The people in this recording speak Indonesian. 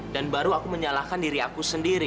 dan baru aku menyalahkan diri aku sendiri